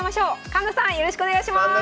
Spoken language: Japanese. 環那さんよろしくお願いします。